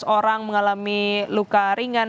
tiga belas orang mengalami luka ringan